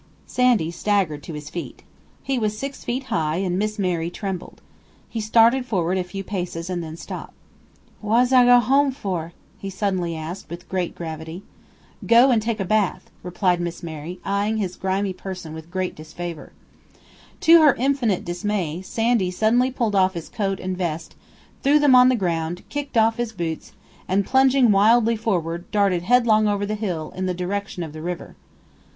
Sandy staggered to his feet. He was six feet high, and Miss Mary trembled. He started forward a few paces and then stopped. "Wass I go home for?" he suddenly asked, with great gravity. "Go and take a bath," replied Miss Mary, eying his grimy person with great disfavor. To her infinite dismay, Sandy suddenly pulled off his coat and vest, threw them on the ground, kicked off his boots, and, plunging wildly forward, darted headlong over the hill, in the direction of the river.